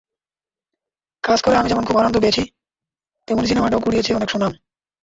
কাজ করে আমি যেমন খুব আনন্দ পেয়েছি, তেমনি সিনেমাটাও কুড়িয়েছে অনেক সুনাম।